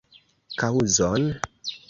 Kaŭzon?